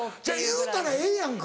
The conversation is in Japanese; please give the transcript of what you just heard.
言うたらええやんか。